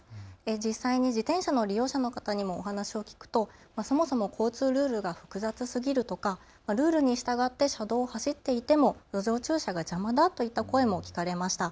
実際に自転車の利用者の方にもお話を聞くとそもそも交通ルールが複雑すぎるとかルールに従って車道を走っていても路上駐車が邪魔だといった声も聞かれました。